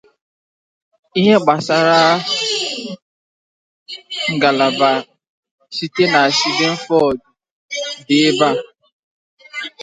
Details of local bus destinations from Cinderford can be found here.